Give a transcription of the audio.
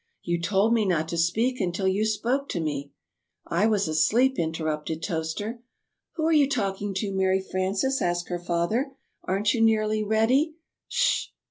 "You told me not to speak until you spoke to me " "I was asleep," interrupted Toaster. "Who are you talking to, Mary Frances?" asked her father. "Aren't you nearly ready?"